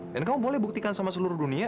dan kamu boleh buktikan sama seluruh dunia